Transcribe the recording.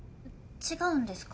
違うんですか？